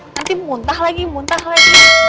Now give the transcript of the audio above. nanti muntah lagi muntah lagi